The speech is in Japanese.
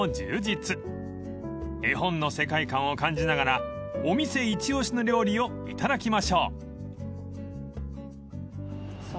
［絵本の世界観を感じながらお店一推しの料理をいただきましょう］